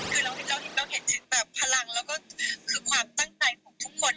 คือเราเห็นพลังแล้วก็คือความตั้งใจของทุกคน